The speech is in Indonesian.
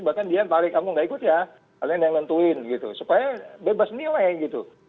bahkan dia tarik kamu gak ikut ya kalian yang nentuin gitu supaya bebas nilai gitu